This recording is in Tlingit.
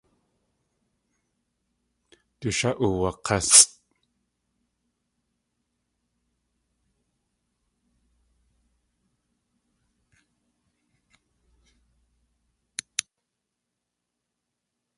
Du shá uwak̲ásʼ.